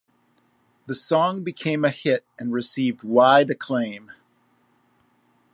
The song became a hit and received wide acclaim.